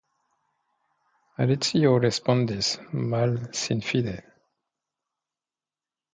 Alicio respondis malsinfide.